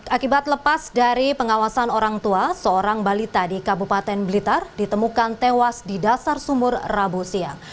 akibat lepas dari pengawasan orang tua seorang balita di kabupaten blitar ditemukan tewas di dasar sumur rabu siang